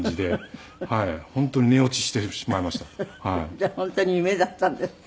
じゃあ本当に夢だったんですね。